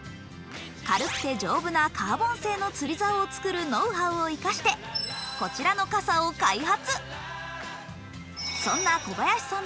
軽くて丈夫なカーボン製の釣り具を作るノウハウを生かしてこちらの傘を開発。